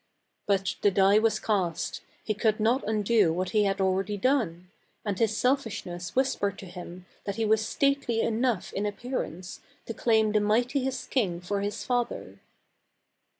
But the die was cast ; he could not undo what he had already done ; and his selfishness whis pered to him that he was stately enough in ap pearance to claim the mightiest king for his father.